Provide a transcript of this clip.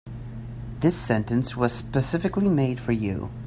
This sentence was specifically made for you.